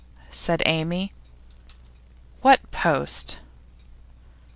said Amy. 'What post?